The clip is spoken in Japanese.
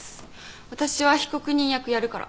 私は被告人役やるから。